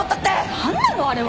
なんなのあれは！